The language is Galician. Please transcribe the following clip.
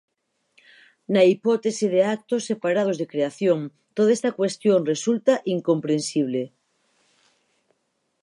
Na hipótese de actos separados de creación, toda esta cuestión resulta incomprensible.